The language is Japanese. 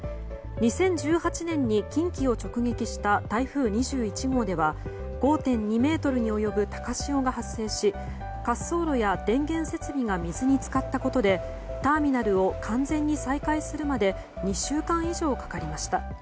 ２０１８年に近畿を直撃した台風２１号では５．２ｍに及ぶ高潮が発生し滑走路や電源設備が水に浸かったことでターミナルを完全に再開するまで２週間以上かかりました。